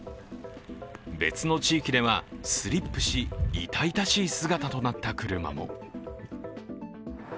別の地域ではスリップし、痛々しい姿となった車も。